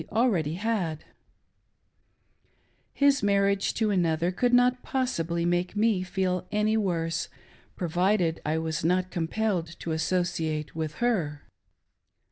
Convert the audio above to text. already had, — his marriage to another could not possibly make me feel any worse, provided I was not compelled to associate with her.